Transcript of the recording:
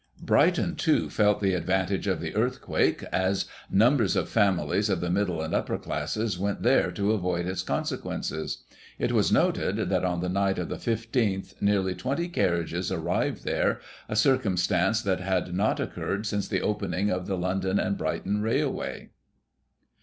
Brighton, too, felt the advantage of the "earthquake," as numbers of families of the middle and upper classes went there to avoid its consequences. It was noted that on the night of the 15 th nearly 20 carriages arrived there, a circum stance that had not occurred since the opening of the London and Brighton Railway.